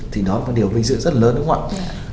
thì đó là một điều vinh dự rất lớn đúng không ạ